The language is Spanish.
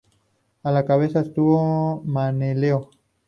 A la cabeza estuvo Menelao.